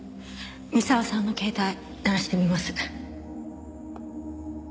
三沢さんの携帯鳴らしてみます。